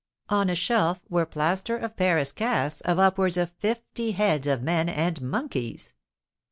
On a shelf were plaster of Paris casts of upwards of fifty heads of men and monkeys.